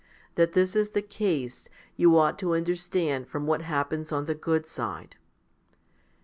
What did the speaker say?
That this is the case, , you ought to understand from what happens on the good side.